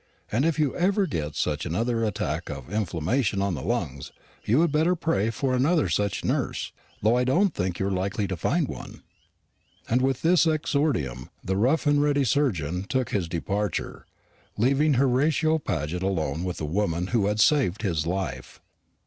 And if ever you get such another attack of inflammation on the lungs, you had better pray for such another nurse, though I don't think you're likely to find one." And with this exordium, the rough and ready surgeon took his departure, leaving Horatio Paget alone with the woman who had saved his life.